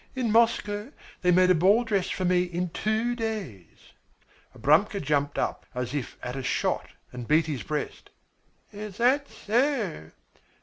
"In Moscow they made a ball dress for me in two days." Abramka jumped up as if at a shot, and beat his breast. "Is that so?